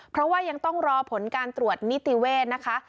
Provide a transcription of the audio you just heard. เพราะว่ายังต้องรอผลการตรวจนิติเวศนะคะ